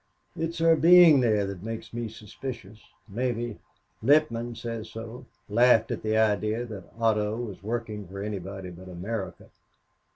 "It's her being there makes me suspicious, maybe Littman says so laughed at the idea that Otto was working for anybody but America.